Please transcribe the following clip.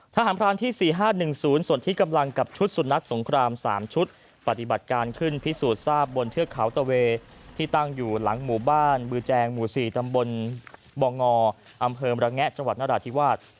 ทหารพรานที่๔๕๑๐ส่วนที่กำลังกับชุดสุนัขสงคราม๓ชุดปฏิบัติการขึ้นพิสูจน์ทราบบนเทือกเขาตะเวที่ตั้งอยู่หลังหมู่บ้านบือแจงหมู่๔ตำบลบ่องออำเภอมระแงะจังหวัดนราธิวาส